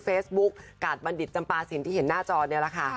เฟซบุ๊คกาดบัณฑิตจำปาสินที่เห็นหน้าจอเนี่ยแหละค่ะ